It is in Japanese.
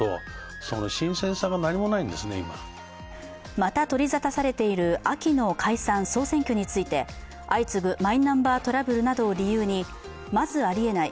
また、取り沙汰されている秋の解散総選挙について相次ぐマイナンバートラブルなどを理由に、まずありえない